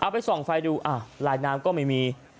ไปส่องไฟดูลายน้ำก็ไม่มี